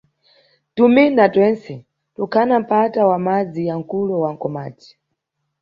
Tuminda twentse tukhana mpata wa madzi ya mkulo wa Mkomati.